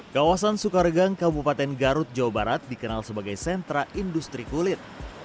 kawasan sukaregang kabupaten garut jawa barat dikenal sebagai sentra industri kulit